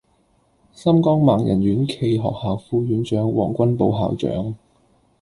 心光盲人院暨學校副院長黃君寶校長